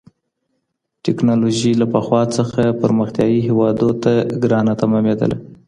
تکنالوژي له پخوا څخه پرمختيايي هيوادونو ته ګرانه تماميدله.